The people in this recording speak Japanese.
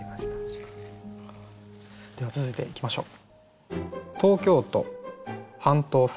では続いていきましょう。